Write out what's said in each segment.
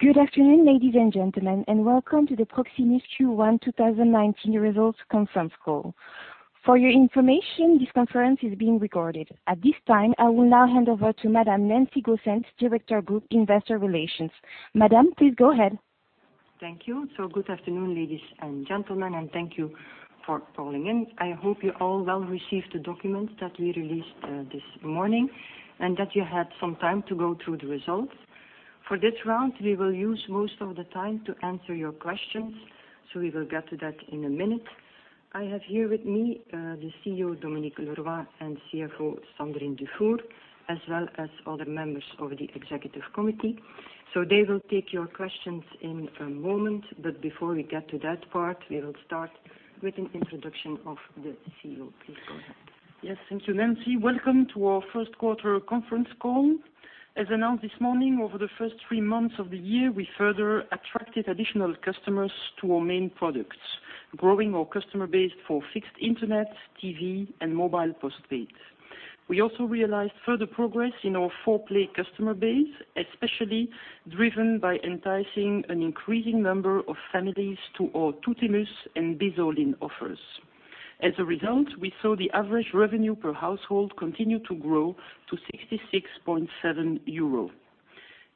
Good afternoon, ladies and gentlemen, and welcome to the Proximus Q1 2019 Results Conference Call. For your information, this conference is being recorded. At this time, I will now hand over to Madam Nancy Goossens, Director of Group Investor Relations. Madam, please go ahead. Thank you. Good afternoon, ladies and gentlemen, and thank you for calling in. I hope you all received the documents that we released this morning, and that you had some time to go through the results. For this round, we will use most of the time to answer your questions, so we will get to that in a minute. I have here with me the CEO, Dominique Leroy, and CFO, Sandrine Dufour, as well as other members of the executive committee. They will take your questions in a moment. But before we get to that part, we will start with an introduction of the CEO. Please go ahead. Yes, thank you, Nancy. Welcome to our first quarter conference call. As announced this morning, over the first three months of the year, we further attracted additional customers to our main products, growing our customer base for fixed internet, TV, and mobile postpaid. We also realized further progress in our four-play customer base, especially driven by enticing an increasing number of families to our Tuttimus and Bizz All-in offers. As a result, we saw the average revenue per household continue to grow to 66.7 euro.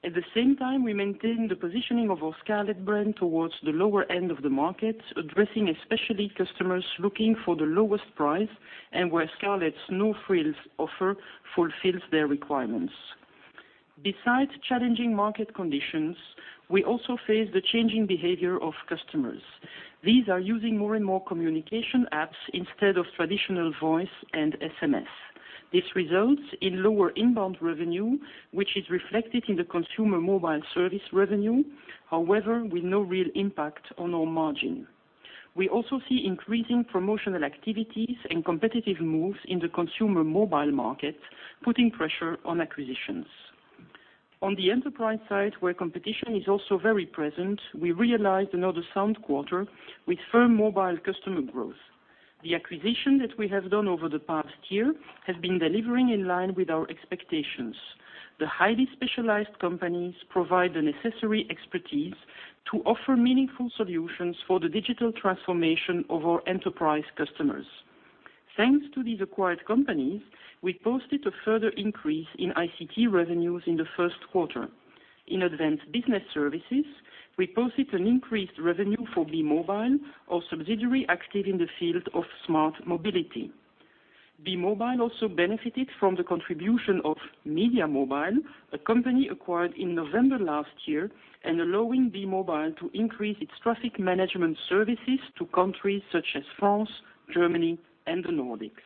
At the same time, we maintained the positioning of our Scarlet brand towards the lower end of the market, addressing especially customers looking for the lowest price, and where Scarlet's no-frills offer fulfills their requirements. Besides challenging market conditions, we also face the changing behavior of customers. These are using more and more communication apps instead of traditional voice and SMS. This results in lower inbound revenue, which is reflected in the consumer mobile service revenue. However, with no real impact on our margin. We also see increasing promotional activities and competitive moves in the consumer mobile market, putting pressure on acquisitions. On the enterprise side, where competition is also very present, we realized another sound quarter with firm mobile customer growth. The acquisition that we have done over the past year has been delivering in line with our expectations. The highly specialized companies provide the necessary expertise to offer meaningful solutions for the digital transformation of our enterprise customers. Thanks to these acquired companies, we posted a further increase in ICT revenues in the first quarter. In advanced business services, we posted an increased revenue for Be-Mobile, our subsidiary active in the field of smart mobility. Be-Mobile also benefited from the contribution of Mediamobile, a company acquired in November last year, and allowing Be-Mobile to increase its traffic management services to countries such as France, Germany, and the Nordics.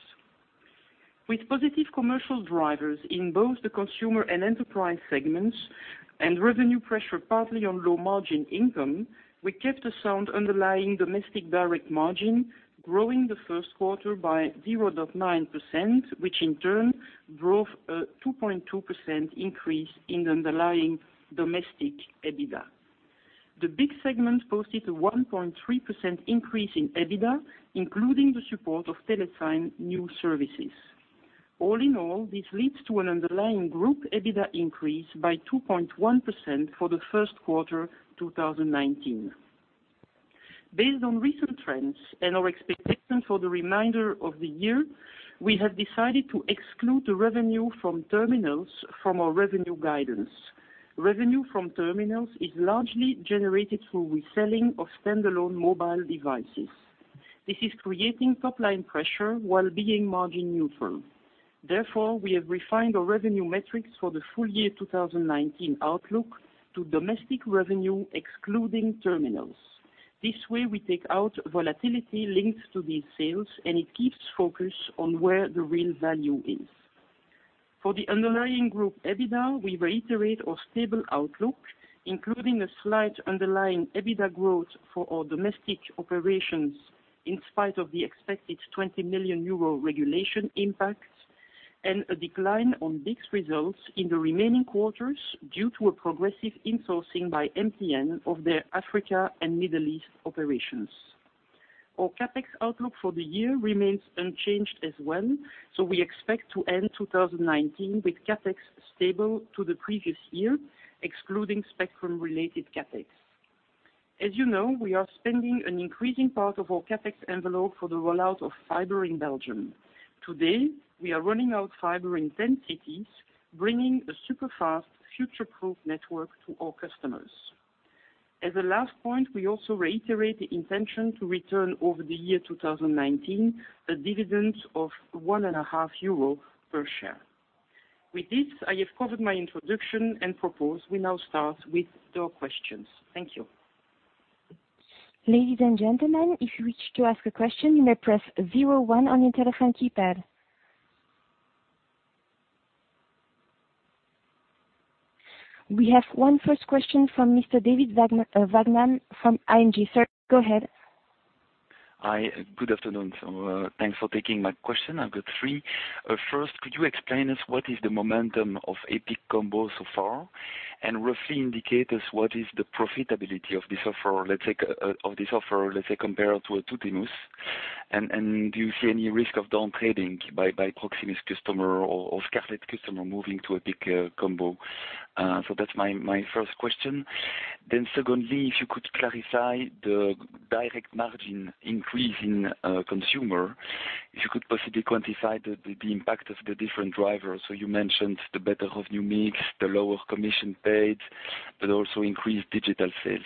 With positive commercial drivers in both the consumer and enterprise segments, and revenue pressure partly on low-margin income, we kept a sound underlying domestic direct margin, growing the first quarter by 0.9%, which in turn drove a 2.2% increase in underlying domestic EBITDA. The BICS segment posted a 1.3% increase in EBITDA, including the support of TeleSign new services. All in all, this leads to an underlying group EBITDA increase by 2.1% for the first quarter 2019. Based on recent trends and our expectations for the remainder of the year, we have decided to exclude the revenue from terminals from our revenue guidance. Revenue from terminals is largely generated through reselling of standalone mobile devices. This is creating top-line pressure while being margin neutral. We have refined our revenue metrics for the full year 2019 outlook to domestic revenue excluding terminals. This way, we take out volatility linked to these sales, and it keeps focus on where the real value is. For the underlying group EBITDA, we reiterate our stable outlook, including a slight underlying EBITDA growth for our domestic operations, in spite of the expected 20 million euro regulation impact, and a decline on BICS results in the remaining quarters due to a progressive insourcing by MTN of their Africa and Middle East operations. Our CapEx outlook for the year remains unchanged as well. We expect to end 2019 with CapEx stable to the previous year, excluding spectrum-related CapEx. As you know, we are spending an increasing part of our CapEx envelope for the rollout of fiber in Belgium. Today, we are rolling out fiber in 10 cities, bringing a super-fast, future-proof network to our customers. As a last point, we also reiterate the intention to return over the year 2019, a dividend of 1.50 euro per share. With this, I have covered my introduction and propose we now start with your questions. Thank you. Ladies and gentlemen, if you wish to ask a question, you may press 01 on your telephone keypad. We have one first question from Mr. David Vagman from ING. Sir, go ahead. Hi. Good afternoon. Thanks for taking my question. I've got three. First, could you explain to us what is the momentum of Epic Combo so far, and roughly indicate us what is the profitability of this offer, let's say, compared to a Tuttimus? Do you see any risk of downtrading by Proximus customer or Scarlet customer moving to Epic Combo? That's my first question. Secondly, if you could clarify the direct margin increase in consumer, if you could possibly quantify the impact of the different drivers. You mentioned the better revenue mix, the lower commission paid, but also increased digital sales.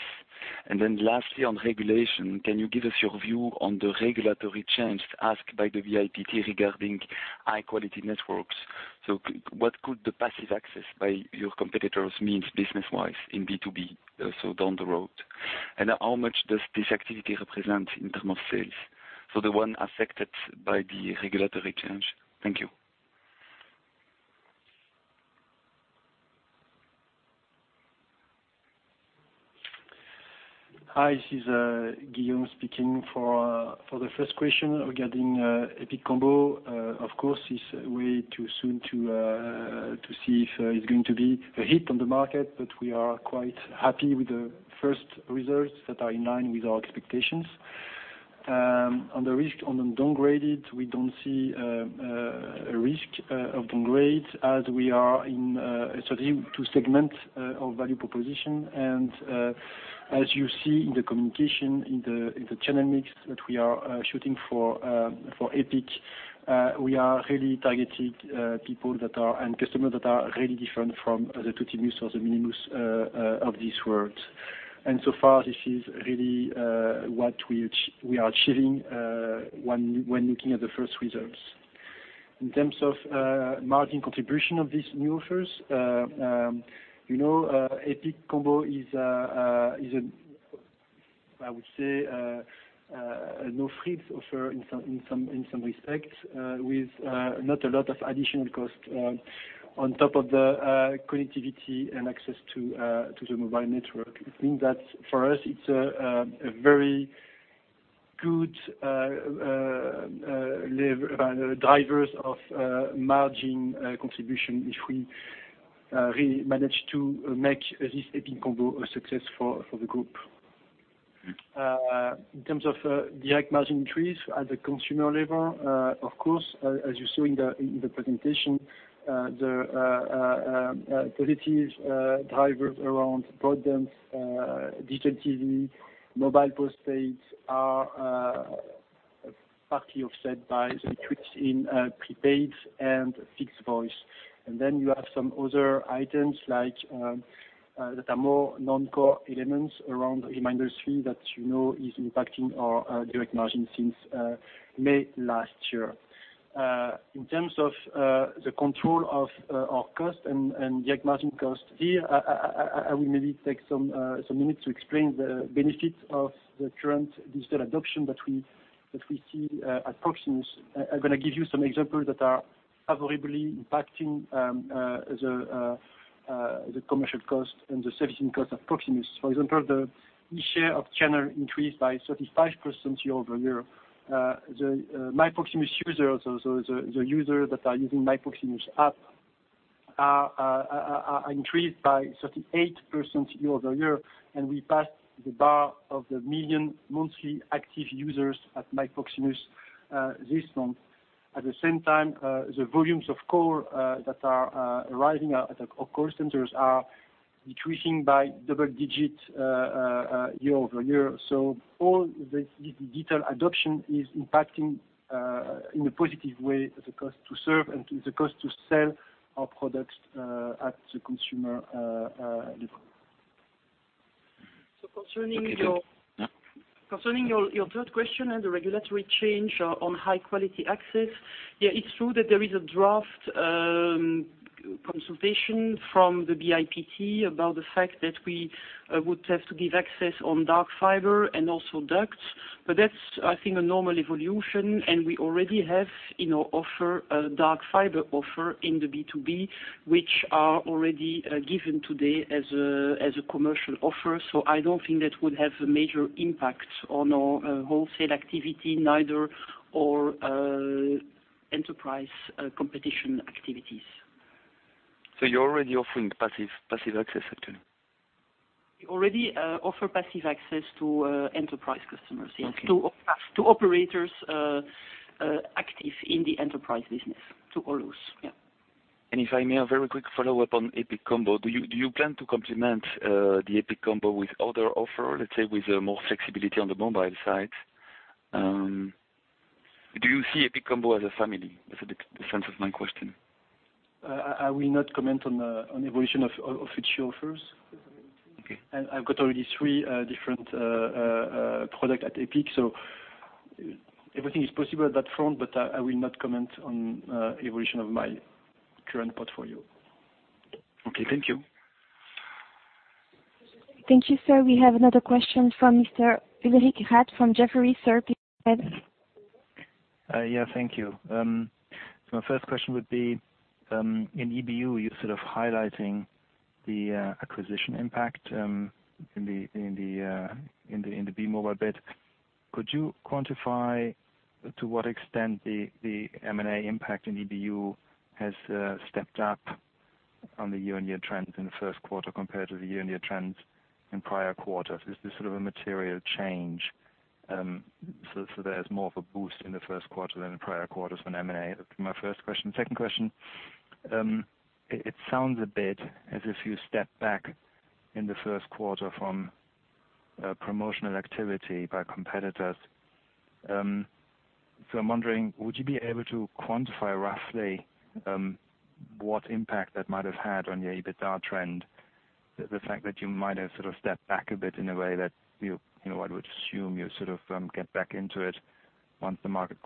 Lastly, on regulation, can you give us your view on the regulatory change asked by the BIPT regarding high-quality networks? What could the passive access by your competitors mean business-wise in B2B, down the road? How much does this activity represent in terms of sales? The one affected by the regulatory change. Thank you. Hi, this is Guillaume speaking. For the first question regarding Epic Combo, of course, it's way too soon to see if it's going to be a hit on the market, but we are quite happy with the first results that are in line with our expectations. On the risk on downgraded, we don't see a risk of downgrade as we are in a strategy to segment our value proposition. As you see in the communication, in the channel mix that we are shooting for Epic, we are really targeting people that are end customers that are really different from the Tuttimus or the Minimus of this world. So far, this is really what we are achieving when looking at the first results. In terms of margin contribution of these new offers, Epic Combo is, I would say, a no-frills offer in some respects, with not a lot of additional cost on top of the connectivity and access to the mobile network. It means that for us, it's a very good drivers of margin contribution if we really manage to make this Epic Combo a success for the group. In terms of direct margin increase at the consumer level, of course, as you saw in the presentation, the positive drivers around broadband, digital TV, mobile postpaid are partly offset by the twist in prepaid and fixed voice. You have some other items that are more non-core elements around reminder fee that you know is impacting our direct margin since May last year. In terms of the control of our cost and direct margin cost, here I will maybe take some minutes to explain the benefits of the current digital adoption that we see at Proximus. I'm going to give you some examples that are favorably impacting the commercial cost and the servicing cost of Proximus. For example, the eShare of channel increased by 35% year-over-year. The MyProximus users, so the users that are using MyProximus app, are increased by 38% year-over-year, and we passed the bar of the 1 million monthly active users at MyProximus this month. At the same time, the volumes of call that are arriving at our call centers are decreasing by double digits year-over-year. All this digital adoption is impacting, in a positive way, the cost to serve and the cost to sell our products at the consumer level. Okay, good. Concerning your third question on the regulatory change on high-quality access, yeah, it's true that there is a draft consultation from the BIPT about the fact that we would have to give access on dark fiber and also ducts. That's, I think, a normal evolution, and we already have a dark fiber offer in the B2B, which are already given today as a commercial offer. I don't think that would have a major impact on our wholesale activity, neither our enterprise competition activities. You're already offering passive access, actually? We already offer passive access to enterprise customers, yes. Okay. To operators active in the enterprise business. To all those, yeah. If I may, a very quick follow-up on Epic Combo. Do you plan to complement the Epic Combo with other offer, let's say, with more flexibility on the mobile side? Do you see Epic Combo as a family? That's the sense of my question. I will not comment on the evolution of future offers. Okay. I've got already three different product at Epic. Everything is possible at that front, I will not comment on evolution of my current portfolio. Okay. Thank you. Thank you, sir. We have another question from Mr. Ulrich Rathe from Jefferies. Sir, please go ahead. Yeah, thank you. My first question would be, in EBU, you're sort of highlighting the acquisition impact in the Be-Mobile bit. Could you quantify to what extent the M&A impact in EBU has stepped up? On the year-on-year trends in the first quarter compared to the year-on-year trends in prior quarters, is this sort of a material change? My first question. Second question, it sounds a bit as if you stepped back in the first quarter from promotional activity by competitors. I'm wondering, would you be able to quantify roughly what impact that might have had on your EBITDA trend? The fact that you might have sort of stepped back a bit in a way that one would assume you sort of get back into it once the market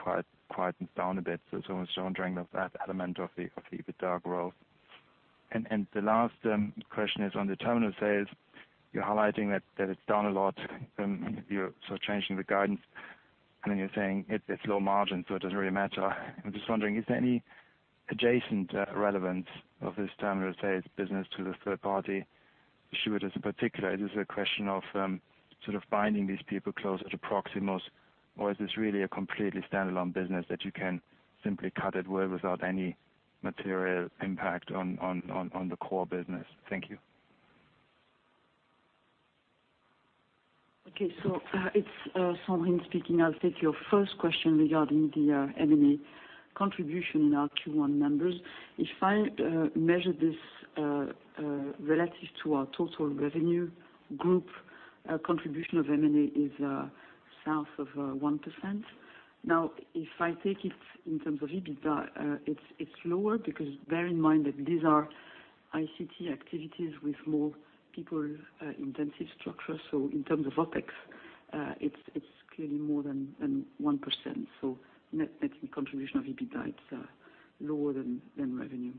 quietens down a bit. I was wondering of that element of the EBITDA growth. The last question is on the terminal sales, you're highlighting that it's down a lot, you're changing the guidance, then you're saying it's low margin, so it doesn't really matter. I'm just wondering, is there any adjacent relevance of this terminal sales business to the third party? Sure, there's a particular, is this a question of sort of binding these people closer to Proximus, or is this really a completely standalone business that you can simply cut it without any material impact on the core business? Thank you. It's Sandrine speaking. I'll take your first question regarding the M&A contribution in our Q1 numbers. If I measure this relative to our total revenue group, contribution of M&A is south of 1%. If I take it in terms of EBITDA, it's lower because bear in mind that these are ICT activities with more people intensive structure. In terms of OpEx, it's clearly more than 1%. Net contribution of EBITDA, it's lower than revenue.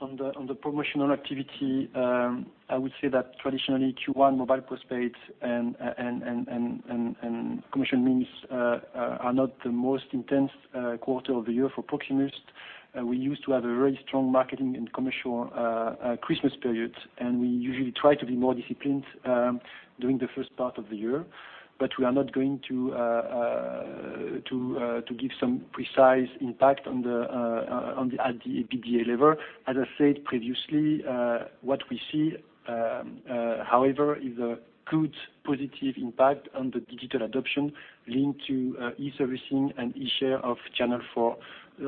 On the promotional activity, I would say that traditionally Q1 mobile postpaid and commission means are not the most intense quarter of the year for Proximus. We used to have a very strong marketing and commercial Christmas period, we usually try to be more disciplined during the first part of the year. We are not going to give some precise impact at the EBITDA level. As I said previously, what we see, however, is a good positive impact on the digital adoption linked to e-servicing and eShare of channel for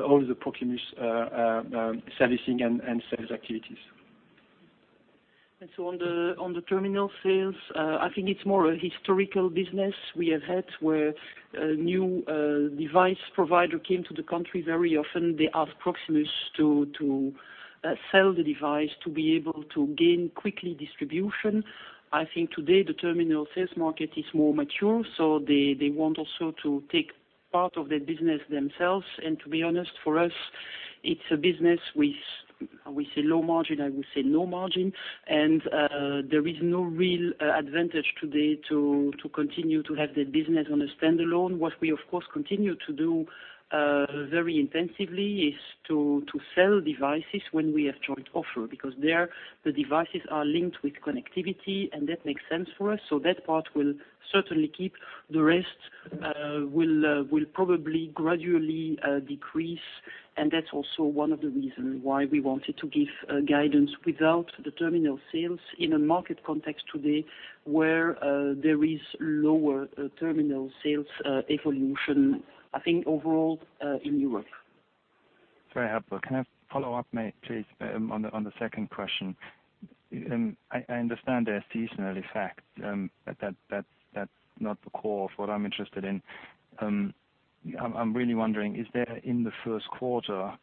all the Proximus servicing and sales activities. On the terminal sales, I think it's more a historical business we have had where a new device provider came to the country very often. They ask Proximus to sell the device to be able to gain quickly distribution. I think today the terminal sales market is more mature, they want also to take part of their business themselves. To be honest, for us, it's a business with a low margin, I would say no margin. There is no real advantage today to continue to have that business on a standalone. What we of course continue to do very intensively is to sell devices when we have joint offer, because there the devices are linked with connectivity and that makes sense for us. That part will certainly keep. The rest will probably gradually decrease and that's also one of the reasons why we wanted to give guidance without the terminal sales in a market context today where there is lower terminal sales evolution, I think overall, in Europe. Very helpful. Can I follow up, please, on the second question? I understand there are seasonal effects, but that's not the core of what I'm interested in. I'm really wondering, is there in the first quarter,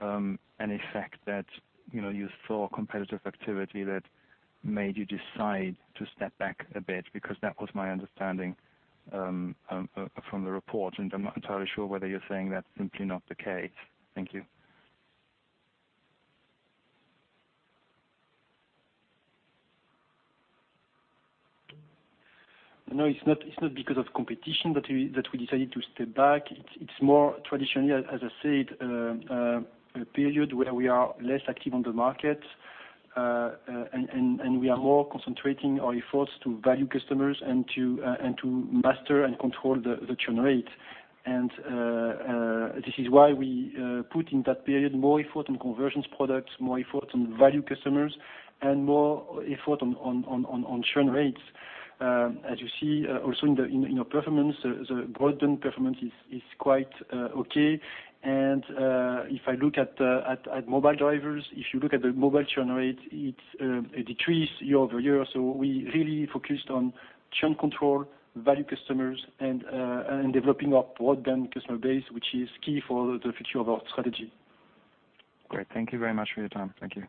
an effect that you saw competitive activity that made you decide to step back a bit? That was my understanding from the report, and I'm not entirely sure whether you're saying that's simply not the case. Thank you. No, it's not because of competition that we decided to step back. It's more traditionally, as I said, a period where we are less active on the market, and we are more concentrating our efforts to value customers and to master and control the churn rates. This is why we put in that period more effort on conversions products, more effort on value customers, and more effort on churn rates. As you see also in our performance, the broadband performance is quite okay. If I look at mobile drivers, if you look at the mobile churn rate, it decreased year-over-year. We really focused on churn control, value customers, and developing our broadband customer base, which is key for the future of our strategy. Great. Thank you very much for your time. Thank you.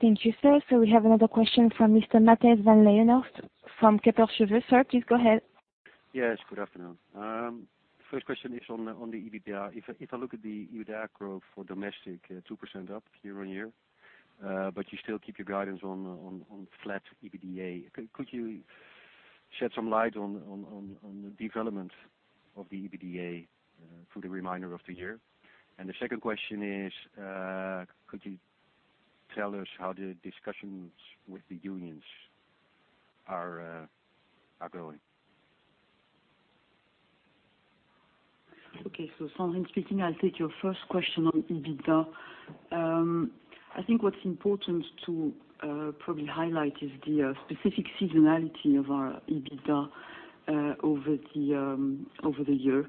Thank you, sir. We have another question from Mr. Matthijs van Leeuwenhorst from Kempen. Sir, please go ahead. Yes, good afternoon. First question is on the EBITDA. If I look at the EBITDA growth for domestic, 2% up year-on-year. You still keep your guidance on flat EBITDA. Could you shed some light on the development of the EBITDA for the remainder of the year? The second question is, could you tell us how the discussions with the unions Our ability. Okay. Sandrine speaking, I'll take your first question on EBITDA. I think what's important to probably highlight is the specific seasonality of our EBITDA over the year.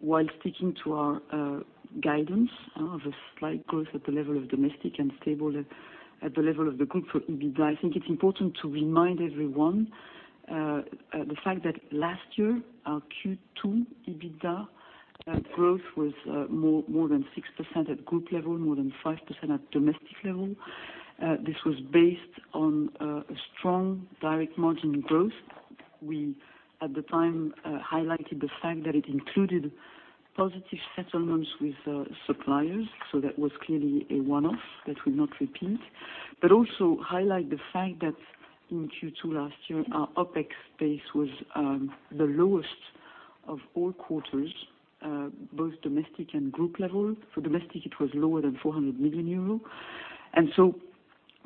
While sticking to our guidance of a slight growth at the level of domestic and stable at the level of the group for EBITDA. I think it's important to remind everyone the fact that last year, our Q2 EBITDA growth was more than 6% at group level, more than 5% at domestic level. This was based on a strong direct margin growth. We, at the time, highlighted the fact that it included positive settlements with suppliers. That was clearly a one-off that will not repeat. Also highlight the fact that in Q2 last year, our OpEx base was the lowest of all quarters, both domestic and group level. For domestic, it was lower than 400 million euro.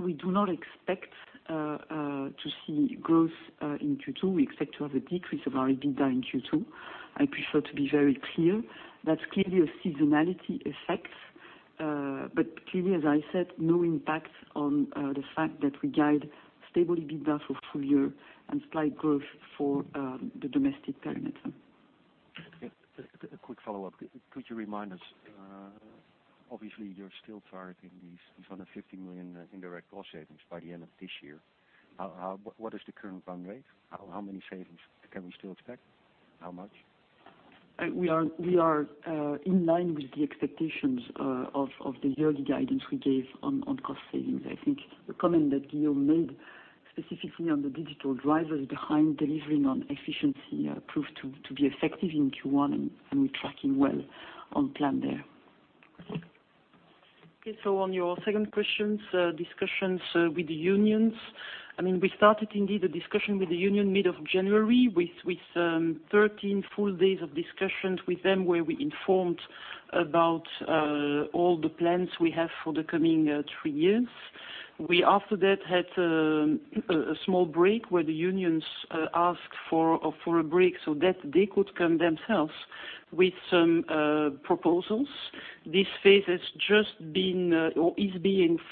We do not expect to see growth in Q2. We expect to have a decrease of our EBITDA in Q2. I prefer to be very clear. That's clearly a seasonality effect. Clearly, as I said, no impact on the fact that we guide stable EBITDA for full year and slight growth for the domestic perimeter. A quick follow-up. Could you remind us, obviously, you are still targeting these 250 million in indirect cost savings by the end of this year. What is the current run rate? How many savings can we still expect? How much? We are in line with the expectations of the yearly guidance we gave on cost savings. I think the comment that Guillaume made specifically on the digital drivers behind delivering on efficiency proved to be effective in Q1, and we are tracking well on plan there. On your second questions, discussions with the unions. We started indeed a discussion with the union mid-January with 13 full days of discussions with them, where we informed about all the plans we have for the coming three years. We, after that, had a small break where the unions asked for a break so that they could come themselves with some proposals. This phase is being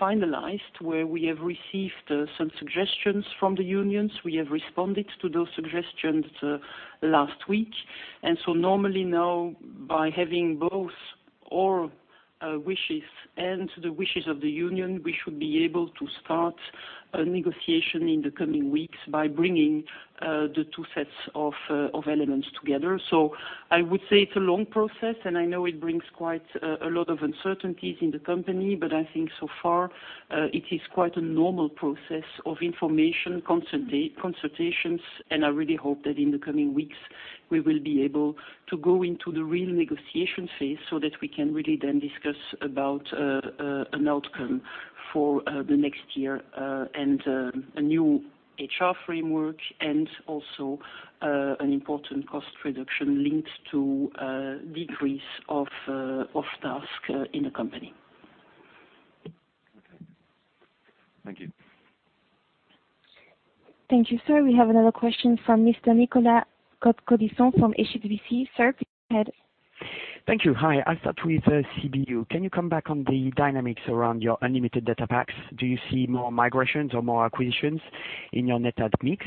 finalized, where we have received some suggestions from the unions. We have responded to those suggestions last week. Normally now by having both our wishes and the wishes of the union, we should be able to start a negotiation in the coming weeks by bringing the two sets of elements together. I would say it is a long process, and I know it brings quite a lot of uncertainties in the company, but I think so far it is quite a normal process of information consultations, and I really hope that in the coming weeks, we will be able to go into the real negotiation phase so that we can really then discuss about an outcome for the next year. A new HR framework and also an important cost reduction linked to a decrease of tasks in the company. Okay. Thank you. Thank you, sir. We have another question from Mr. Nicolas Cote-Colisson from HSBC. Sir, please go ahead. Thank you. Hi, I'll start with CBU. Can you come back on the dynamics around your unlimited data packs? Do you see more migrations or more acquisitions in your net add mix?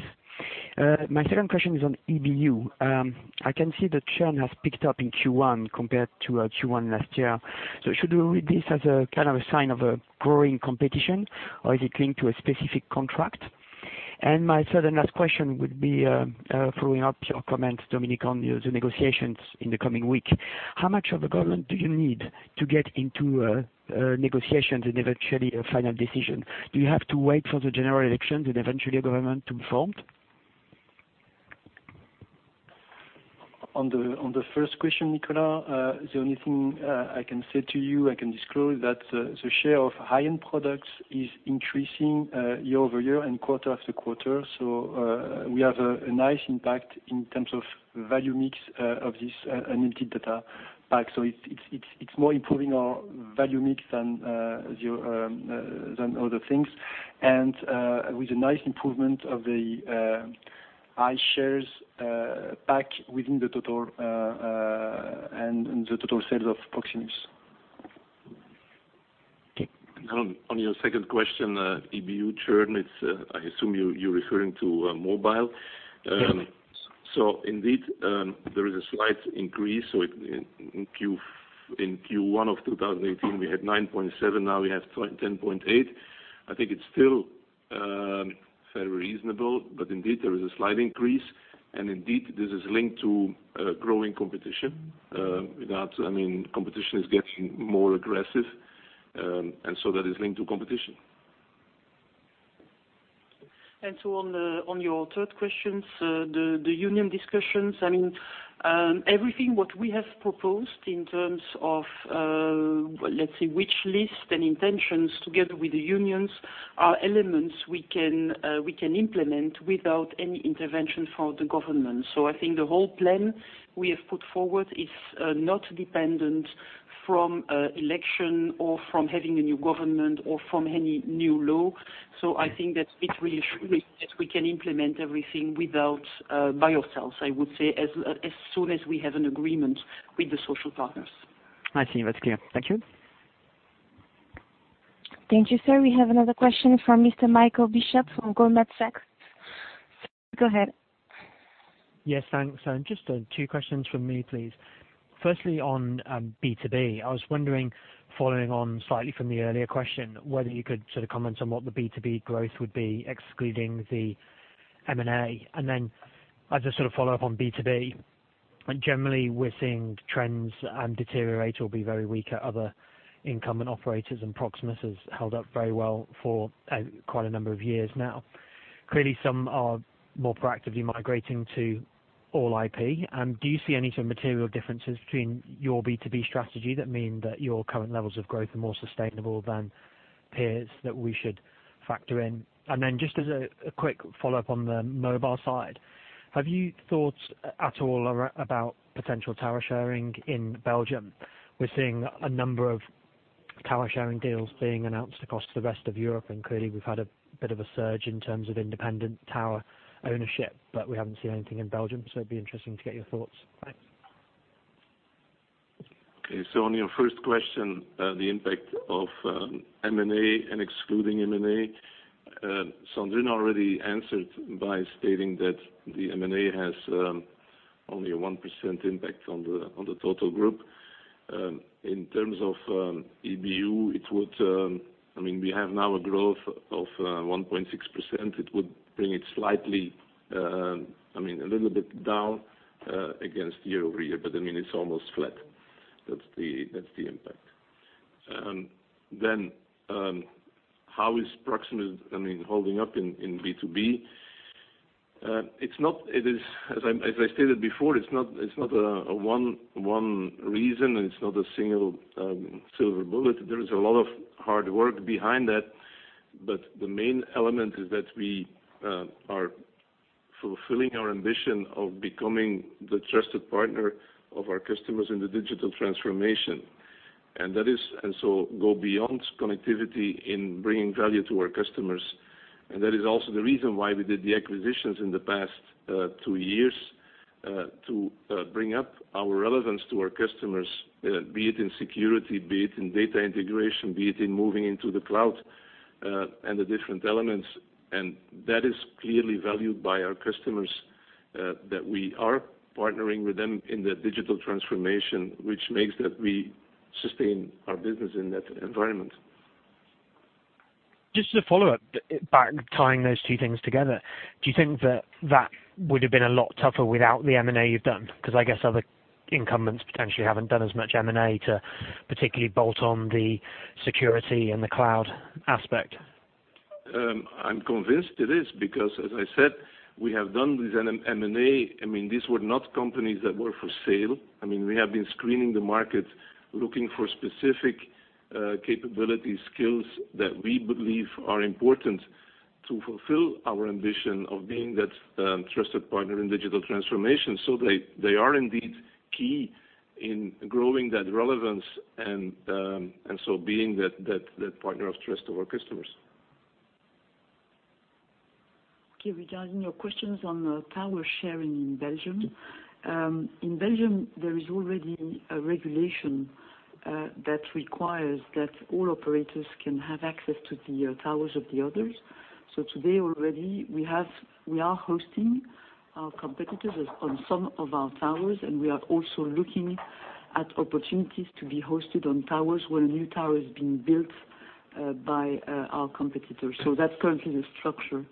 My second question is on EBU. I can see the churn has picked up in Q1 compared to Q1 last year. Should we read this as a sign of a growing competition, or is it linked to a specific contract? My third and last question would be following up your comments, Dominique, on the negotiations in the coming week. How much of a government do you need to get into negotiations and eventually a final decision? Do you have to wait for the general elections and eventually a government to be formed? On the first question, Nicolas, the only thing I can say to you, I can disclose that the share of high-end products is increasing year-over-year and quarter-after-quarter. We have a nice impact in terms of value mix of this unlimited data pack. It's more improving our value mix than other things. With a nice improvement of the eShare pack within the total and the total sales of Proximus. On your second question, EBU churn, I assume you're referring to mobile. Yes. Indeed, there is a slight increase. In Q1 of 2018, we had 9.7, now we have 10.8. I think it's still very reasonable, but indeed, there is a slight increase, and indeed, this is linked to growing competition. Competition is getting more aggressive, and so that is linked to competition. On your third questions, the union discussions. Everything what we have proposed in terms of, let's say, wish list and intentions together with the unions are elements we can implement without any intervention from the government. I think the whole plan we have put forward is not dependent from election or from having a new government or from any new law. I think that it really shows that we can implement everything by ourselves, I would say, as soon as we have an agreement with the social partners. I see. That's clear. Thank you. Thank you, sir. We have another question from Mr. Michael Bishop from Goldman Sachs. Sir, go ahead. Yes, thanks. Just two questions from me, please. Firstly, on B2B, I was wondering, following on slightly from the earlier question, whether you could comment on what the B2B growth would be, excluding the M&A. As a follow-up on B2B, generally, we're seeing trends deteriorate or be very weak at other incumbent operators, and Proximus has held up very well for quite a number of years now. Clearly, some are more proactively migrating to all IP. Do you see any material differences between your B2B strategy that mean that your current levels of growth are more sustainable than peers that we should factor in? Just as a quick follow-up on the mobile side, have you thought at all about potential tower sharing in Belgium? We're seeing a number of tower sharing deals being announced across the rest of Europe, clearly we've had a bit of a surge in terms of independent tower ownership, we haven't seen anything in Belgium, it'd be interesting to get your thoughts. Thanks. Okay, on your first question, the impact of M&A and excluding M&A, Sandrine already answered by stating that the M&A has only a 1% impact on the total group. In terms of EBU, we have now a growth of 1.6%. It would bring it slightly, a little bit down against year-over-year, it's almost flat. That's the impact. How is Proximus holding up in B2B? As I stated before, it's not a one reason, it's not a single silver bullet. There is a lot of hard work behind that. The main element is that we are fulfilling our ambition of becoming the trusted partner of our customers in the digital transformation. Go beyond connectivity in bringing value to our customers. That is also the reason why we did the acquisitions in the past two years, to bring up our relevance to our customers, be it in security, be it in data integration, be it in moving into the cloud, and the different elements. That is clearly valued by our customers, that we are partnering with them in the digital transformation, which makes that we sustain our business in that environment. Just as a follow-up, tying those two things together, do you think that that would've been a lot tougher without the M&A you've done? Because I guess other incumbents potentially haven't done as much M&A to particularly bolt on the security and the cloud aspect. I'm convinced it is, because as I said, we have done this M&A. These were not companies that were for sale. We have been screening the market, looking for specific capability skills that we believe are important to fulfill our ambition of being that trusted partner in digital transformation. They are indeed key in growing that relevance and so being that partner of trust to our customers. Okay. Regarding your questions on tower sharing in Belgium. In Belgium, there is already a regulation that requires that all operators can have access to the towers of the others. Today already, we are hosting our competitors on some of our towers, and we are also looking at opportunities to be hosted on towers where a new tower is being built by our competitors. That's currently the structure,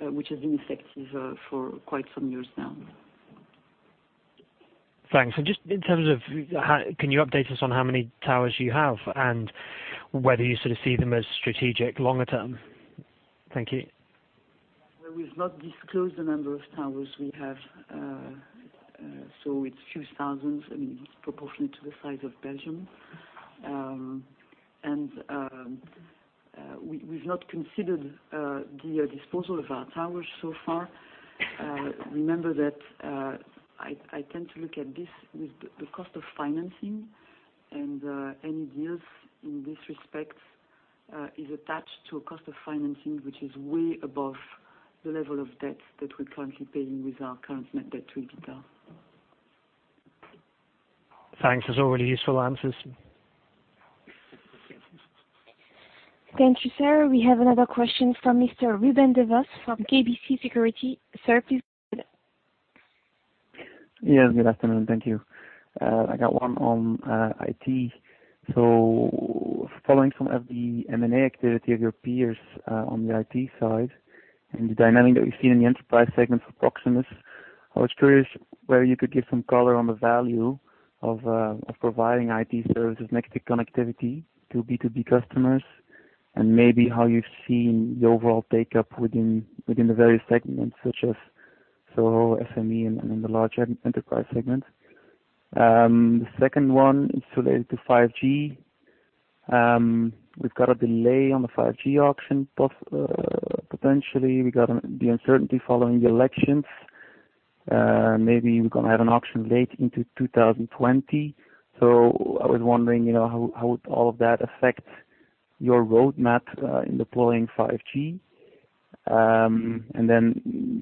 which has been effective for quite some years now. Thanks. Can you update us on how many towers you have and whether you see them as strategic longer term? Thank you. We've not disclosed the number of towers we have, so it's a few thousands. It's proportionate to the size of Belgium. We've not considered the disposal of our towers so far. Remember that I tend to look at this with the cost of financing, and any deals in this respect is attached to a cost of financing, which is way above the level of debt that we're currently paying with our current net debt to EBITDA. Thanks. Those are all really useful answers. Thank you, sir. We have another question from Mr. Ruben Devos from KBC Securities. Sir, please go ahead. Yes, good afternoon. Thank you. I got one on IT. Following some of the M&A activity of your peers, on the IT side and the dynamic that we've seen in the enterprise segment for Proximus, I was curious whether you could give some color on the value of providing IT services next to connectivity to B2B customers, and maybe how you've seen the overall take-up within the various segments such as solo, SME, and then the larger enterprise segments. The second one is related to 5G. We've got a delay on the 5G auction, potentially. We got the uncertainty following the elections. Maybe we're gonna have an auction late into 2020. I was wondering, how would all of that affect your roadmap, in deploying 5G?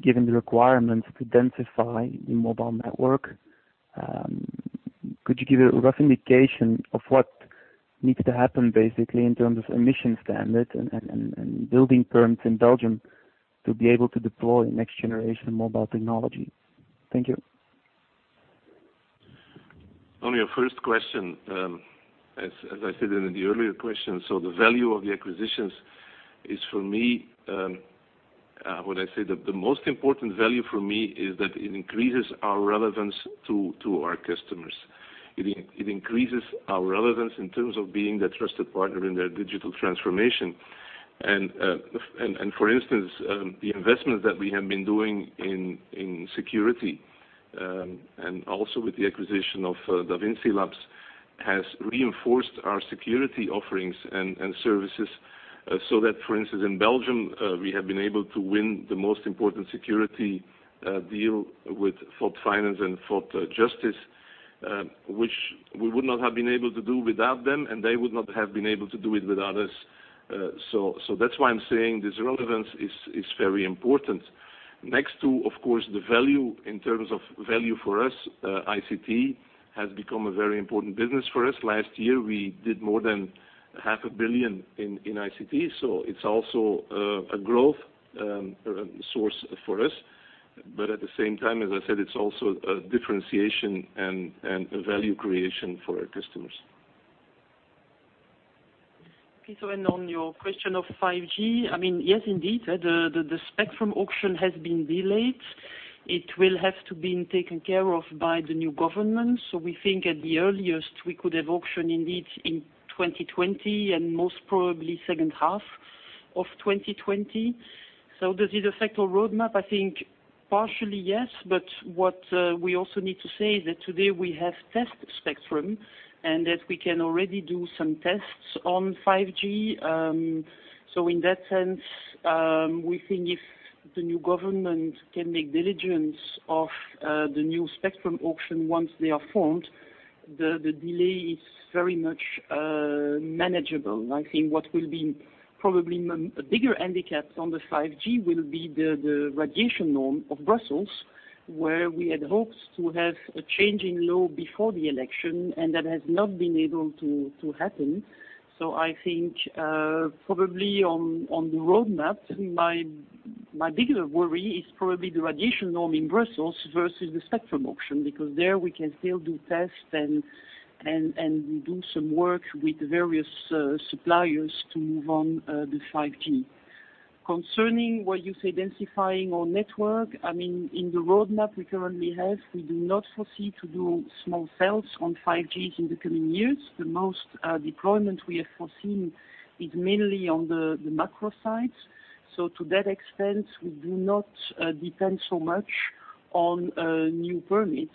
Given the requirements to densify the mobile network. Could you give a rough indication of what needs to happen basically in terms of emission standards and building permits in Belgium to be able to deploy next generation mobile technology? Thank you. On your first question, as I said in the earlier question, the value of the acquisitions is for me, when I say the most important value for me is that it increases our relevance to our customers. It increases our relevance in terms of being their trusted partner in their digital transformation. For instance, the investment that we have been doing in security, and also with the acquisition of Davinsi Labs, has reinforced our security offerings and services so that, for instance, in Belgium, we have been able to win the most important security deal with FPS Finance and FPS Justice, which we would not have been able to do without them, and they would not have been able to do it without us. That's why I'm saying this relevance is very important. Next to, of course, the value in terms of value for us, ICT has become a very important business for us. Last year, we did more than half a billion EUR in ICT. It's also a growth source for us. At the same time, as I said, it's also a differentiation and a value creation for our customers. Okay. On your question of 5G, yes, indeed, the spectrum auction has been delayed. It will have to be taken care of by the new government. We think at the earliest, we could have auction indeed in 2020, and most probably second half of 2020. Does it affect our roadmap? I think partially, yes. What we also need to say is that today we have test spectrum and that we can already do some tests on 5G. In that sense, we think if the new government can make diligence of the new spectrum auction, once they are formed, the delay is very much manageable. I think what will be probably a bigger handicap on the 5G will be the radiation norm of Brussels, where we had hoped to have a change in law before the election, and that has not been able to happen. I think, probably on the roadmap, my bigger worry is probably the radiation norm in Brussels versus the spectrum auction, because there we can still do tests and we do some work with various suppliers to move on the 5G. Concerning what you say, densifying our network. In the roadmap we currently have, we do not foresee to do small cells on 5G in the coming years. The most deployment we have foreseen is mainly on the macro sites. To that extent, we do not depend so much on new permits.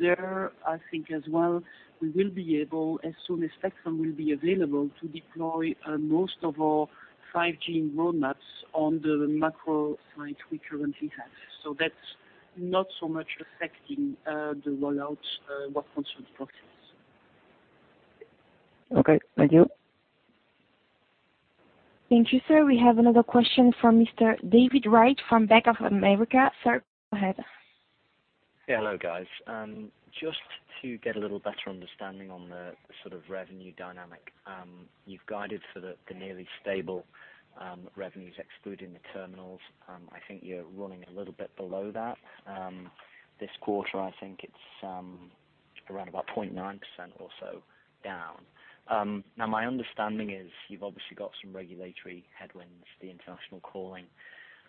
There, I think as well, we will be able, as soon as spectrum will be available, to deploy most of our 5G roadmaps on the macro site we currently have. That's not so much affecting the rollout what concerns Proximus. Okay. Thank you. Thank you, sir. We have another question from Mr. David Wright from Bank of America. Sir, go ahead. Hello, guys. Just to get a little better understanding on the sort of revenue dynamic. You've guided for the nearly stable revenues excluding the terminals. I think you're running a little bit below that. This quarter, I think it's around about 0.9% or so down. My understanding is you've obviously got some regulatory headwinds, the international calling,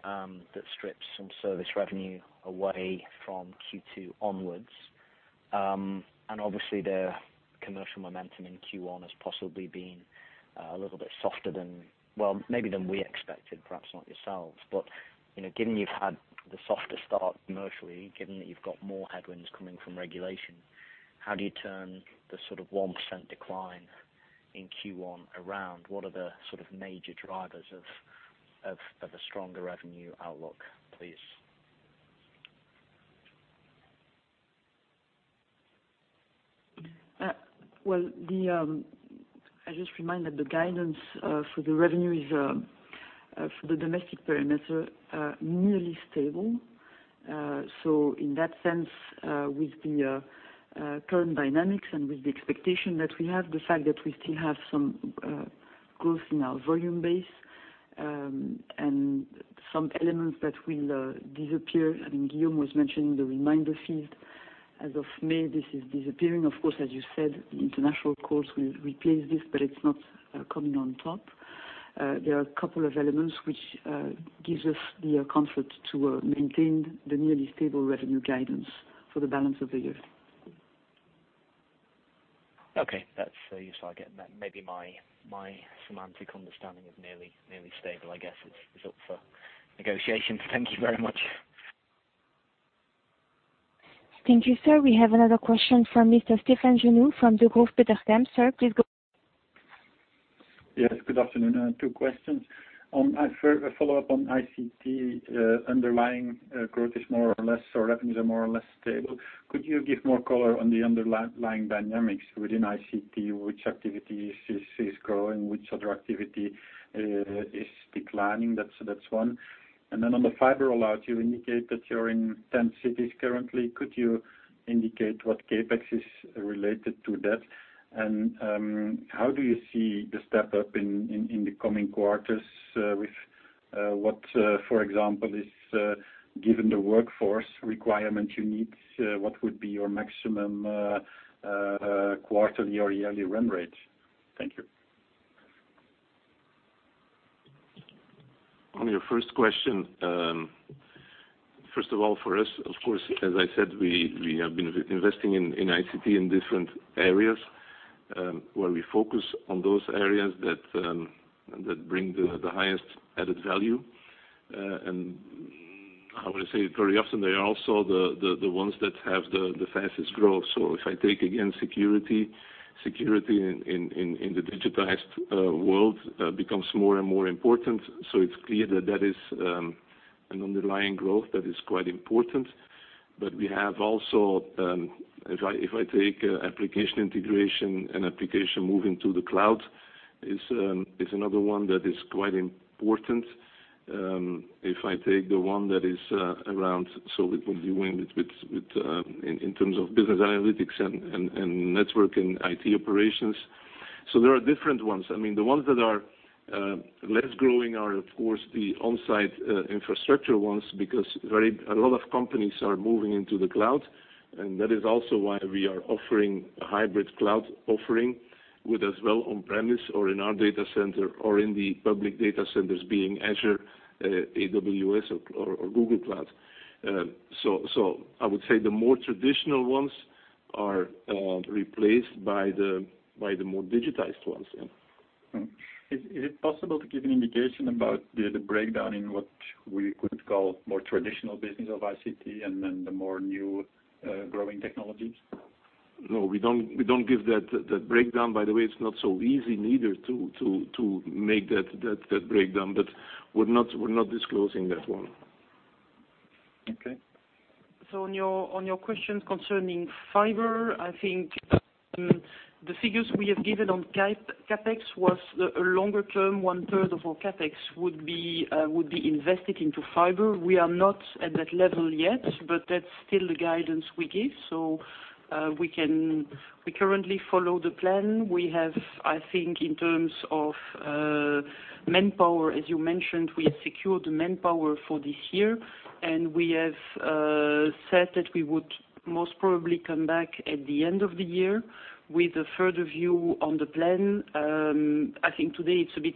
that strips some service revenue away from Q2 onwards. Obviously, the commercial momentum in Q1 has possibly been a little bit softer than, well, maybe than we expected, perhaps not yourselves. Given you've had the softer start commercially, given that you've got more headwinds coming from regulation, how do you turn the sort of 1% decline in Q1 around? What are the sort of major drivers of a stronger revenue outlook, please? I just remind that the guidance for the revenue is for the domestic parameter, nearly stable. In that sense, with the current dynamics and with the expectation that we have, the fact that we still have some growth in our volume base and some elements that will disappear. I think Guillaume was mentioning the reminder fee as of May, this is disappearing. As you said, the international calls will replace this, but it's not coming on top. There are a couple of elements which gives us the comfort to maintain the nearly stable revenue guidance for the balance of the year. That's useful. I get maybe my semantic understanding of nearly stable, I guess, is up for negotiation. Thank you very much. Thank you, sir. We have another question from Mr. Stéphane Genoud from Deutsche Bank. Sir, please go ahead. Yes, good afternoon. Two questions. A follow-up on ICT. Underlying growth is more or less, or revenues are more or less stable. Could you give more color on the underlying dynamics within ICT? Which activity is growing, which other activity is declining? That's one. On the fiber rollout, you indicate that you are in 10 cities currently. Could you indicate what CapEx is related to that? How do you see the step up in the coming quarters? What, for example, is given the workforce requirement you need, what would be your maximum quarterly or yearly run rate? Thank you. On your first question. First of all, for us, of course, as I said, we have been investing in ICT in different areas, where we focus on those areas that bring the highest added value. I want to say it very often, they are also the ones that have the fastest growth. If I take again security. Security in the digitized world becomes more and more important. It is clear that is an underlying growth that is quite important. We have also, if I take application integration and application moving to the cloud, is another one that is quite important. If I take the one that is around, so it would be in terms of business analytics and network and IT operations. There are different ones. The ones that are less growing are, of course, the on-site infrastructure ones, because a lot of companies are moving into the cloud, and that is also why we are offering a hybrid cloud offering with as well on premise or in our data center or in the public data centers being Azure, AWS, or Google Cloud. I would say the more traditional ones are replaced by the more digitized ones. Is it possible to give an indication about the breakdown in what we could call more traditional business of ICT and then the more new growing technologies? No, we don't give that breakdown. By the way, it's not so easy neither to make that breakdown, we're not disclosing that one. Okay. On your question concerning fiber, I think the figures we have given on CapEx was a longer term, one third of our CapEx would be invested into fiber. We are not at that level yet, that's still the guidance we give. We currently follow the plan. We have, I think, in terms of manpower, as you mentioned, we have secured the manpower for this year, we have said that we would most probably come back at the end of the year with a further view on the plan. I think today it's a bit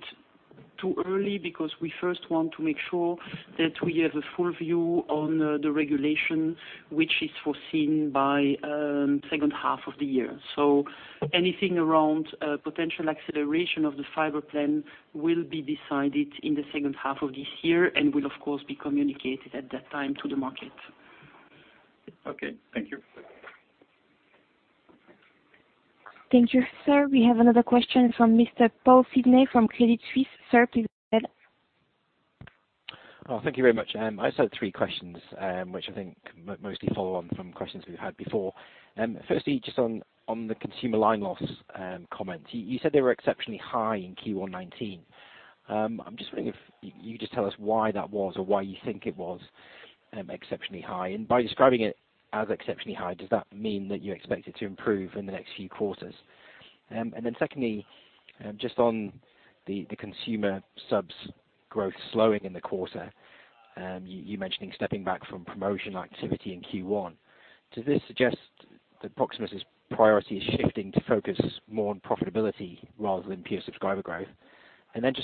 too early because we first want to make sure that we have a full view on the regulation, which is foreseen by second half of the year. Anything around potential acceleration of the fiber plan will be decided in the second half of this year will, of course, be communicated at that time to the market. Okay. Thank you. Thank you, sir. We have another question from Mr. Paul Sidney from Credit Suisse. Sir, please go ahead. Thank you very much. I just had three questions, which I think mostly follow on from questions we've had before. Firstly, just on the consumer line loss comment. You said they were exceptionally high in Q1 2019. By describing it as exceptionally high, does that mean that you expect it to improve in the next few quarters? Secondly, just on the consumer subs growth slowing in the quarter, you mentioning stepping back from promotion activity in Q1. Does this suggest that Proximus' priority is shifting to focus more on profitability rather than pure subscriber growth?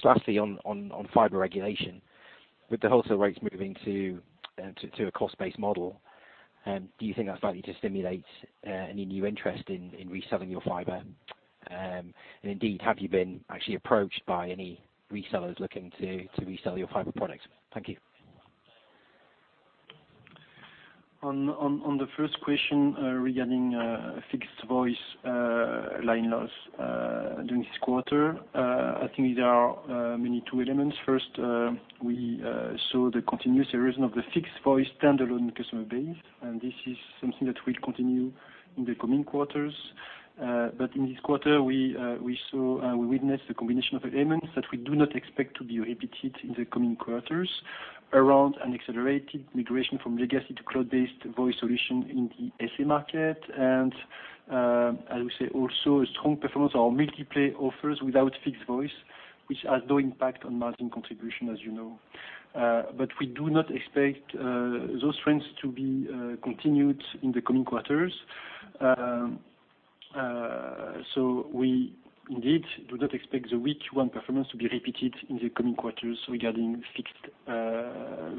Lastly on fiber regulation. With the wholesale rates moving to a cost-based model, do you think that's likely to stimulate any new interest in reselling your fiber? Indeed, have you been actually approached by any resellers looking to resell your fiber products? Thank you. On the first question regarding fixed voice line loss during this quarter. I think there are mainly two elements. First, we saw the continuous erosion of the fixed voice standalone customer base, and this is something that will continue in the coming quarters. In this quarter, we witnessed the combination of elements that we do not expect to be repeated in the coming quarters around an accelerated migration from legacy to cloud-based voice solution in the SME market, as we say, also a strong performance on multi-play offers without fixed voice, which has no impact on margin contribution, as you know. We do not expect those trends to be continued in the coming quarters. We indeed do not expect the weak one performance to be repeated in the coming quarters regarding fixed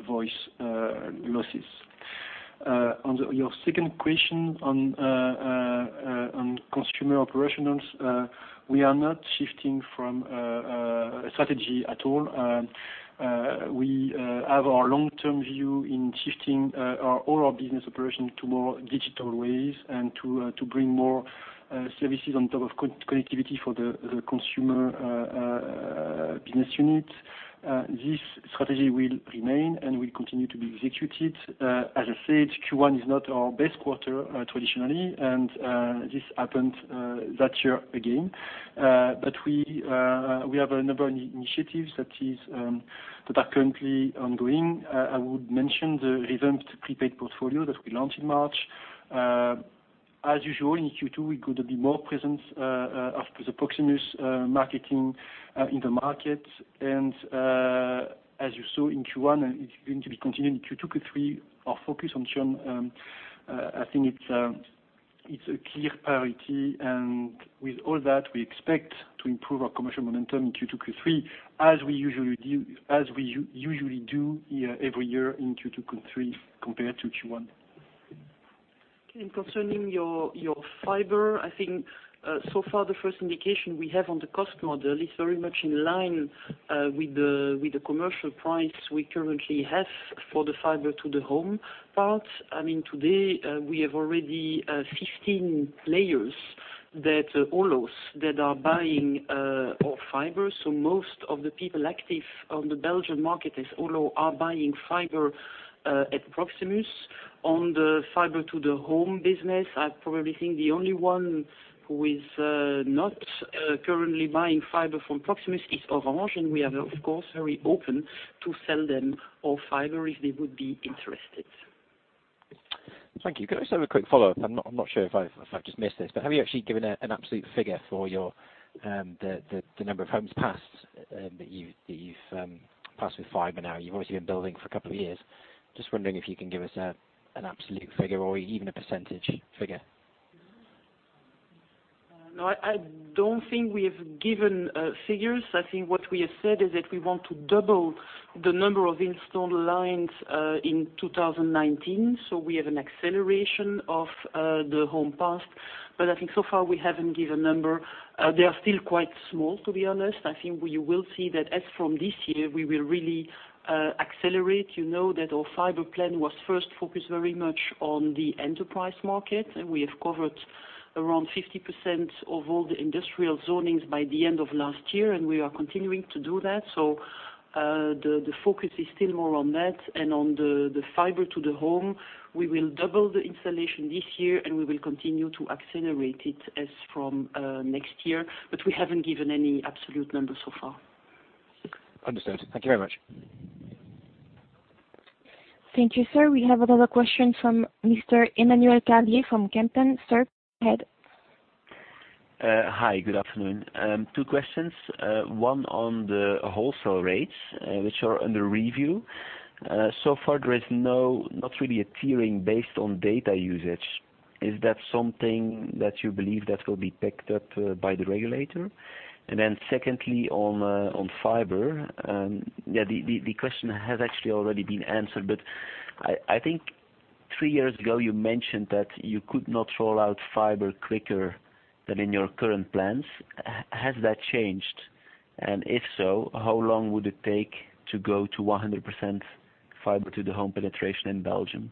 voice losses. On your second question on consumer operations. We are not shifting from a strategy at all. We have our long-term view in shifting all our business operations to more digital ways and to bring more services on top of connectivity for the consumer business unit. This strategy will remain and will continue to be executed. As I said, Q1 is not our best quarter traditionally, and this happened that year again. We have a number of initiatives that are currently ongoing. I would mention the revamped prepaid portfolio that we launched in March. As usual, in Q2, we're going to be more present after the Proximus marketing in the market. As you saw in Q1, it's going to be continuing in Q2, Q3. Our focus on churn, I think it's a clear priority. With all that, we expect to improve our commercial momentum in Q2, Q3 as we usually do every year in Q2, Q3 compared to Q1. Okay. Concerning your fiber, I think so far the first indication we have on the cost model is very much in line with the commercial price we currently have for the fiber to the home part. Today, we have already 15 players that are leasing, that are buying our fiber. Most of the people active on the Belgian market that's leasing are buying fiber at Proximus. On the fiber to the home business, I probably think the only one who is not currently buying fiber from Proximus is Orange, and we are of course, very open to sell them our fiber if they would be interested. Thank you. Can I just have a quick follow-up? I'm not sure if I've just missed this, have you actually given an absolute figure for the number of homes passed, that you've passed with fiber now? You've obviously been building for a couple of years. Just wondering if you can give us an absolute figure or even a percentage figure. No, I don't think we have given figures. I think what we have said is that we want to double the number of installed lines in 2019. We have an acceleration of the home passed, but I think so far we haven't given a number. They are still quite small, to be honest. I think we will see that as from this year, we will really accelerate. You know that our fiber plan was first focused very much on the enterprise market, and we have covered around 50% of all the industrial zonings by the end of last year, and we are continuing to do that. The focus is still more on that. On the fiber to the home, we will double the installation this year and we will continue to accelerate it as from next year, but we haven't given any absolute numbers so far. Understood. Thank you very much. Thank you, sir. We have another question from Mr. Emmanuel Carlier from Kempen. Sir, go ahead. Hi, good afternoon. Two questions. One on the wholesale rates, which are under review. So far, there is not really a tiering based on data usage. Is that something that you believe that will be picked up by the regulator? Then secondly, on fiber. The question has actually already been answered, but I think three years ago you mentioned that you could not roll out fiber quicker than in your current plans. Has that changed? If so, how long would it take to go to 100% fiber to the home penetration in Belgium?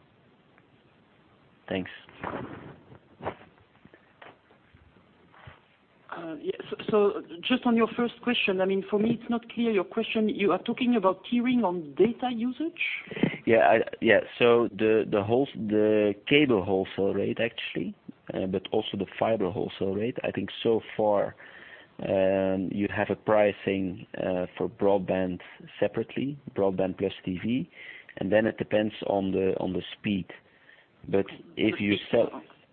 Thanks. Just on your first question, for me, it is not clear your question. You are talking about tiering on data usage? The cable wholesale rate actually, but also the fiber wholesale rate. I think, so far, you have a pricing for broadband separately, broadband plus TV, and then it depends on the speed.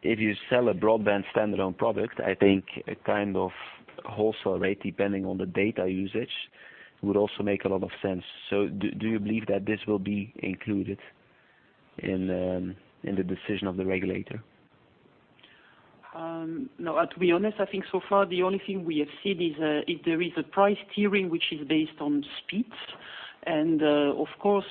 If you sell a broadband standalone product, I think a kind of wholesale rate depending on the data usage would also make a lot of sense. Do you believe that this will be included in the decision of the regulator? No, to be honest, I think so far the only thing we have seen is there is a price tiering, which is based on speeds. Of course,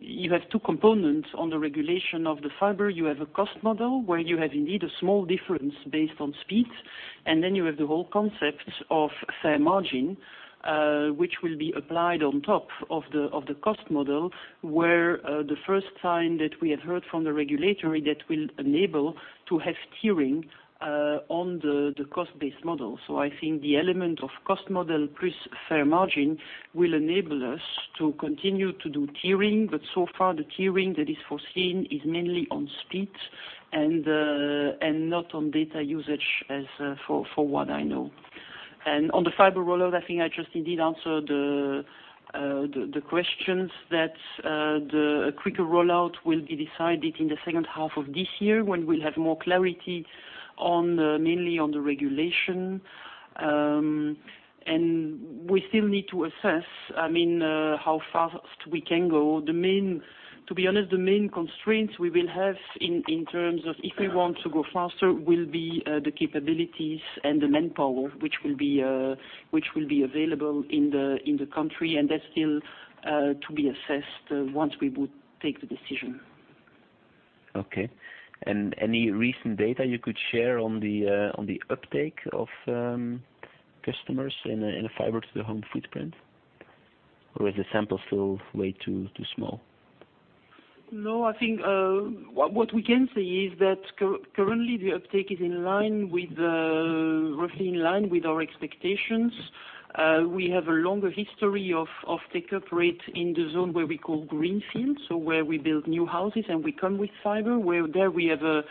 you have two components on the regulation of the fiber. You have a cost model where you have indeed a small difference based on speeds. Then you have the whole concept of fair margin, which will be applied on top of the cost model, where the first time that we have heard from the regulatory that will enable to have tiering on the cost-based model. I think the element of cost model plus fair margin will enable us to continue to do tiering, but so far the tiering that is foreseen is mainly on speeds and not on data usage as for what I know. On the fiber rollout, I think I just indeed answered the questions that a quicker rollout will be decided in the second half of this year when we will have more clarity mainly on the regulation. We still need to assess how fast we can go. To be honest, the main constraints we will have in terms of if we want to go faster, will be the capabilities and the manpower, which will be available in the country, and that is still to be assessed once we would take the decision. Okay. Any recent data you could share on the uptake of customers in a fiber to the home footprint? Or is the sample still way too small? No, I think what we can say is that currently the uptake is roughly in line with our expectations. We have a longer history of take-up rate in the zone where we call greenfield, so where we build new houses and we come with fiber. There we have a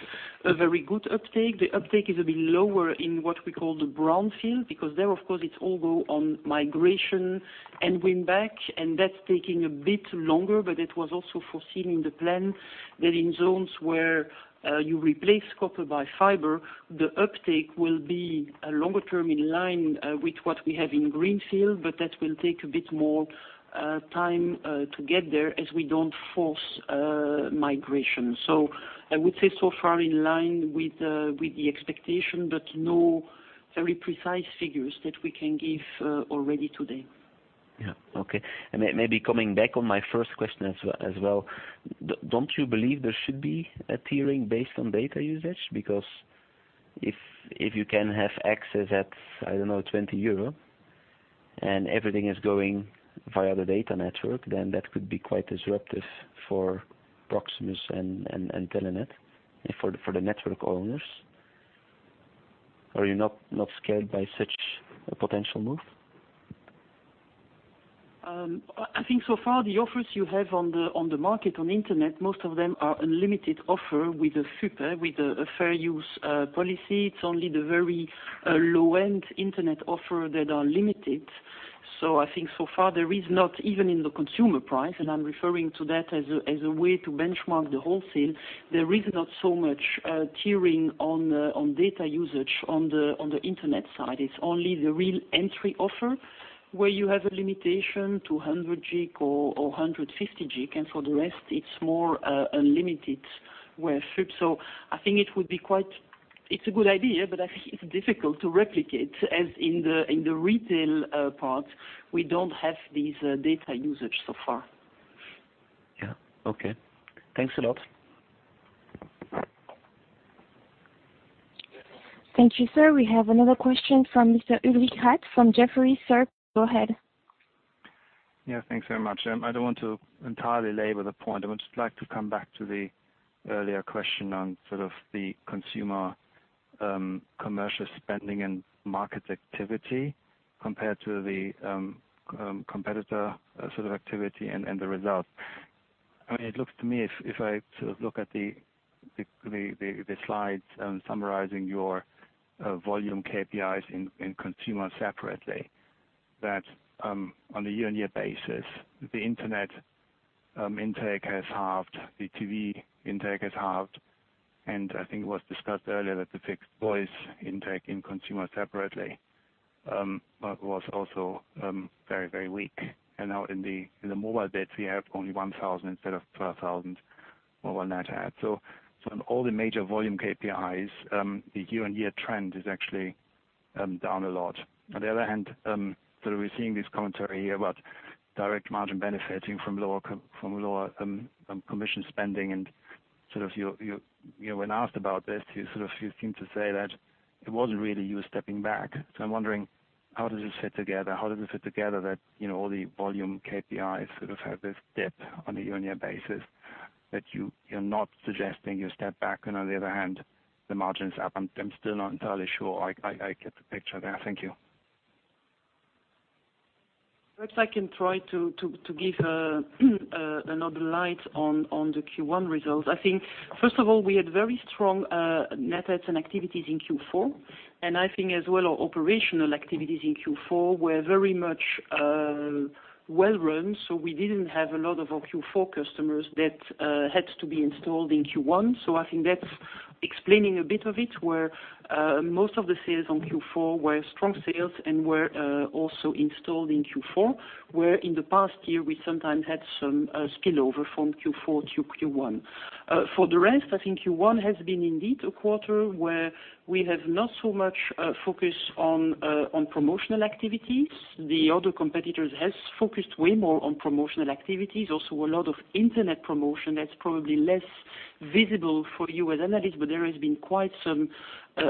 very good uptake. The uptake is a bit lower in what we call the brownfield, because there, of course, it's all go on migration and win back, and that's taking a bit longer, but it was also foreseen in the plan that in zones where you replace copper by fiber, the uptake will be longer term in line with what we have in greenfield, but that will take a bit more time to get there as we don't force migration. I would say so far in line with the expectation, but no very precise figures that we can give already today. Yeah. Okay. Maybe coming back on my first question as well, don't you believe there should be a tiering based on data usage? Because if you can have access at, I don't know, 20 euro and everything is going via the data network, then that could be quite disruptive for Proximus and Telenet for the network owners. Are you not scared by such a potential move? I think so far the offers you have on the market, on internet, most of them are unlimited offers with a FUP, with a fair use policy. It's only the very low-end internet offers that are limited. I think so far there is not, even in the consumer price, and I'm referring to that as a way to benchmark the wholesale. There is not so much tiering on data usage on the internet side. It's only the real entry offers where you have a limitation to 100 GB or 150 GB, and for the rest it's more unlimited, with FUP. I think it's a good idea, but I think it's difficult to replicate, as in the retail part, we don't have these data usage so far. Yeah. Okay. Thanks a lot. Thank you, sir. We have another question from Mr. Ulrich Rathe from Jefferies. Sir, go ahead. Yeah. Thanks very much. I don't want to entirely labor the point. I would just like to come back to the earlier question on sort of the consumer commercial spending and market activity compared to the competitor sort of activity and the result. It looks to me, if I look at the slides summarizing your volume KPIs in consumer separately, that on a year-on-year basis, the internet intake has halved, the TV intake has halved. I think it was discussed earlier that the fixed voice intake in consumer separately was also very weak. Now in the mobile net adds we have only 1,000 instead of 12,000 mobile net adds. On all the major volume KPIs, the year-on-year trend is actually down a lot. On the other hand, we're seeing this commentary here about direct margin benefiting from lower commission spending and when asked about this, you seem to say that it wasn't really you stepping back. I'm wondering how does this fit together? How does it fit together that all the volume KPIs sort of have this dip on a year-on-year basis that you're not suggesting you step back, and on the other hand, the margin's up. I'm still not entirely sure I get the picture there. Thank you. Perhaps I can try to give another light on the Q1 results. I think, first of all, we had very strong net adds and activities in Q4, and I think as well our operational activities in Q4 were very much well run. We didn't have a lot of our Q4 customers that had to be installed in Q1. I think that's explaining a bit of it, where most of the sales on Q4 were strong sales and were also installed in Q4, where in the past year we sometimes had some spillover from Q4 to Q1. For the rest, I think Q1 has been indeed a quarter where we have not so much focus on promotional activities. The other competitors has focused way more on promotional activities, also a lot of internet promotion that's probably less visible for you as analysts, but there has been quite some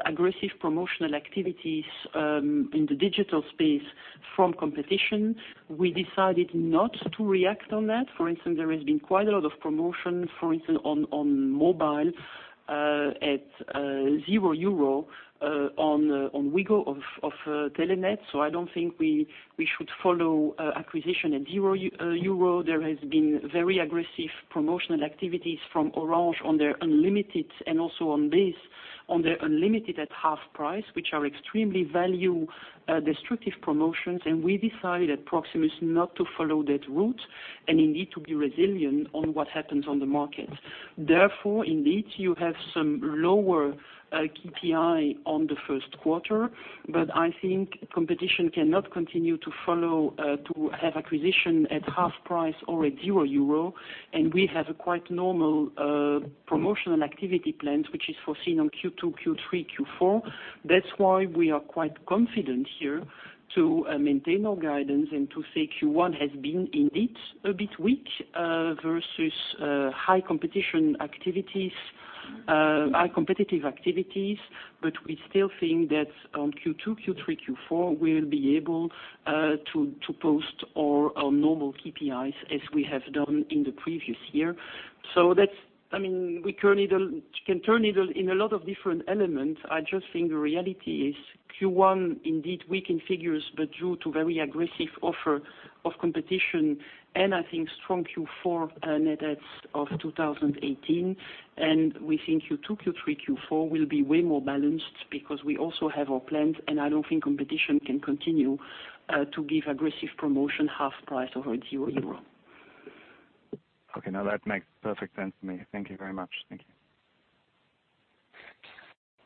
aggressive promotional activities in the digital space from competition. We decided not to react on that. For instance, there has been quite a lot of promotion, for instance, on mobile, at 0 euro on Wigo of Telenet. I don't think we should follow acquisition at 0 euro. There has been very aggressive promotional activities from Orange on their unlimited and also on BASE, on their unlimited at half price, which are extremely value destructive promotions, and we decided at Proximus not to follow that route and indeed to be resilient on what happens on the market. Therefore, indeed, you have some lower KPI on the first quarter, but I think competition cannot continue to have acquisition at half price or at 0 euro. We have a quite normal promotional activity plans, which is foreseen on Q2, Q3, Q4. That's why we are quite confident here to maintain our guidance and to say Q1 has been indeed a bit weak versus high competition activities, high competitive activities, but we still think that on Q2, Q3, Q4, we'll be able to post our normal KPIs as we have done in the previous year. We can turn it in a lot of different elements. I just think the reality is Q1 indeed weakened figures, but due to very aggressive offer of competition and I think strong Q4 net adds of 2018. We think Q2, Q3, Q4 will be way more balanced because we also have our plans, and I don't think competition can continue to give aggressive promotion half price or at 0 euro. Okay. Now that makes perfect sense to me. Thank you very much. Thank you.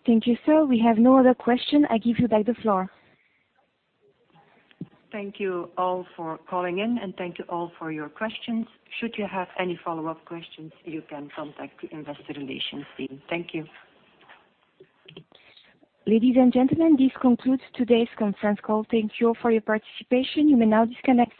Thank you, sir. We have no other question. I give you back the floor. Thank you all for calling in, and thank you all for your questions. Should you have any follow-up questions, you can contact the investor relations team. Thank you. Ladies and gentlemen, this concludes today's conference call. Thank you all for your participation. You may now disconnect.